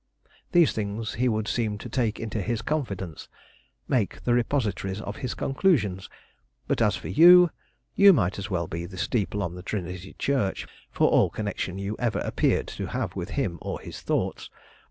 These things he would seem to take into his confidence, make the repositories of his conclusions; but as for you you might as well be the steeple on Trinity Church, for all connection you ever appeared to have with him or his thoughts.